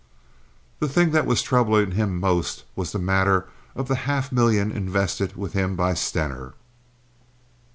The thing that was troubling him most was the matter of the half million invested with him by Stener.